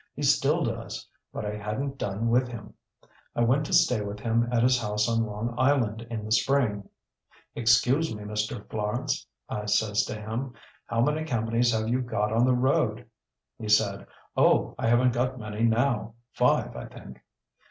He still does. But I hadn't done with him. I went to stay with him at his house on Long Island in the spring. 'Excuse me, Mr. Florance,' I says to him. 'How many companies have you got on the road?' He said, 'Oh! I haven't got many now. Five, I think.